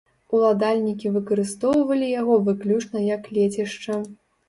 Уладальнікі выкарыстоўвалі яго выключна як лецішча.